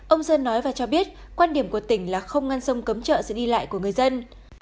ông sơn nói và cho biết quan điểm của tỉnh là không ngăn sông cấm chợ sự đi lại của người dân